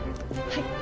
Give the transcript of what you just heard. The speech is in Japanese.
はい。